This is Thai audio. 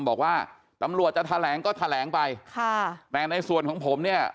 บอกว่าตำรวจจะแถลงก็แถลงไปค่ะแต่ในส่วนของผมเนี่ย